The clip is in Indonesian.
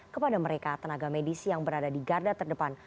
kepada mereka tenaga medis yang berada di garda terdepan